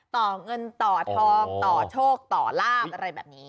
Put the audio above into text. ต่อเงินต่อทองต่อโชคต่อลาบอะไรแบบนี้